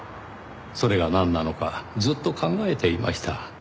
それがなんなのかずっと考えていました。